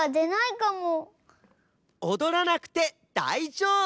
おどらなくてだいじょうぶ！